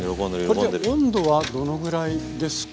これで温度はどのぐらいですか？